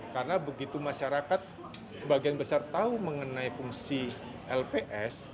karena begitu masyarakat sebagian besar tahu mengenai fungsi lps